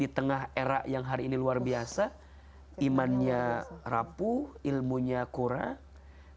di tengah era yang hari ini luar biasa imannya rapuh ilmunya kurang